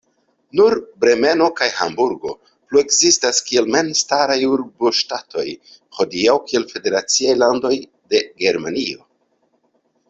Nur Bremeno kaj Hamburgo plu-ekzistas kiel memstaraj urboŝtatoj, hodiaŭ kiel federaciaj landoj de Germanio.